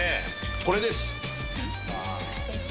これです。